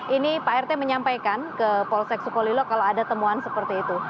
ini pak rt menyampaikan ke polsek sukolilo kalau ada temuan seperti itu